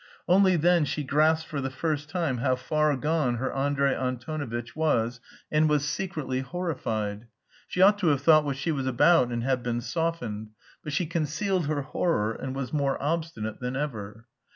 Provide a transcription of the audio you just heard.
Only then she grasped for the first time how far gone her Andrey Antonovitch was, and was secretly horrified. She ought to have thought what she was about and have been softened, but she concealed her horror and was more obstinate than ever.